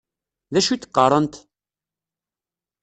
D acu i d-qqarent?